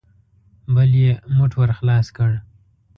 بل يې موټ ور خلاص کړ.